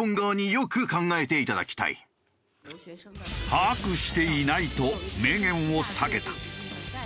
「把握していない」と明言を避けた。